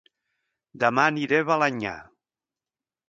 Dema aniré a Balenyà